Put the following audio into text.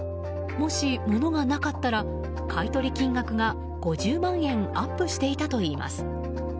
もし、物がなかったら買い取り金額が５０万円アップしていたといいます。